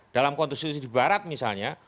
dalam konstitusi di barat misalnya